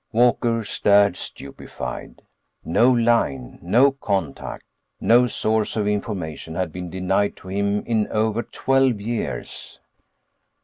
Walker stared, stupefied. No line, no contact, no source of information had been denied to him in over twelve years.